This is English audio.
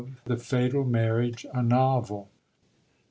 —The Fatal Marriage ; a Novel.